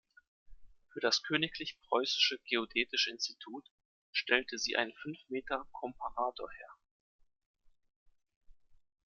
Für das Königlich Preußische Geodätische Institut stellte sie einen Fünf-Meter-Komparator her.